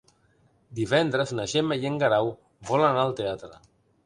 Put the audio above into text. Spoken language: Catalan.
Divendres na Gemma i en Guerau volen anar al teatre.